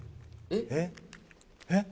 えっ？えっ？